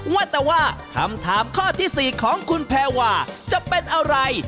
ว่าแต่ว่าคำถามข้อที่๔ของคุณแพรวาจะเป็นอะไร